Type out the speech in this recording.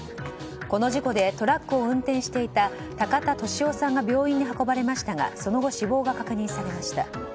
この事故でトラックを運転していた高田敏夫さんが病院に運ばれましたがその後、死亡が確認されました。